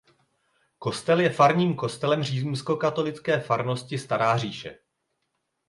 Kostel je farním kostelem římskokatolické farnosti Stará Říše.